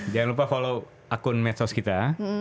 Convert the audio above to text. jangan lupa follow akun medsos kita